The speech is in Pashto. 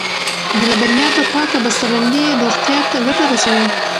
د لبنیاتو پاکه بسته بندي روغتیا ته ګټه رسوي.